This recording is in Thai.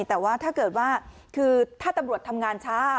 แต่ว่าถ้าเกิดว่าคือถ้าตำรวจทำงานช้า